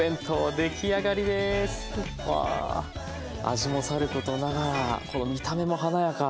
味もさることながらこの見た目も華やか。